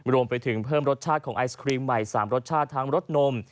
รวมไปถึงเพิ่มรสชาติของไอศครีมใหม่๓รสชาติทั้งรสนม